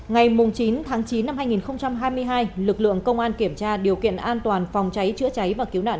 ngày chín tháng chín năm hai nghìn hai mươi hai lực lượng công an kiểm tra điều kiện an toàn phòng cháy chữa cháy và cứu nạn